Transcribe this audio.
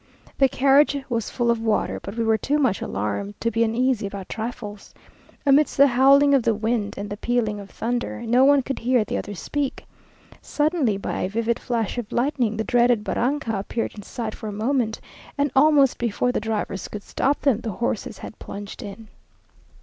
The carriage was full of water, but we were too much alarmed to be uneasy about trifles. Amidst the howling of the wind and the pealing of thunder, no one could hear the other speak. Suddenly, by a vivid flash of lightning, the dreaded barranca appeared in sight for a moment, and almost before the drivers could stop them, the horses had plunged in.